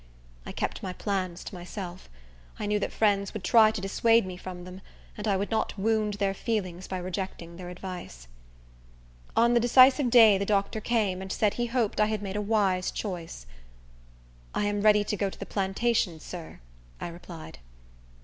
I kept my plans to myself; I knew that friends would try to dissuade me from them, and I would not wound their feelings by rejecting their advice. On the decisive day the doctor came, and said he hoped I had made a wise choice. "I am ready to go to the plantation, sir," I replied.